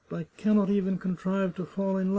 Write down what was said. I can not even contrive to fall in love!"